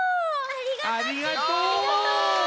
ありがとう！